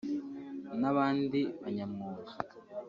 n’abandi banyamwuga